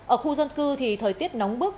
ở khu dân cư thì thời tiết nóng bức